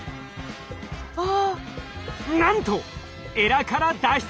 なんとエラから脱出！